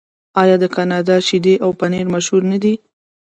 آیا د کاناډا شیدې او پنیر مشهور نه دي؟